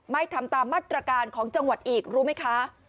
ไม่ทำตามมาตรการของจังหวัดอีกรู้ไหมคะ